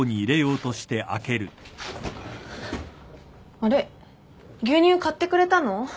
あれっ牛乳買ってくれたの？